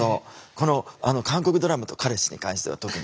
この韓国ドラマと彼氏に関しては特に。